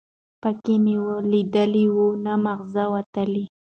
ـ پک مې ليدلى وو، نه معاغزه وتلى.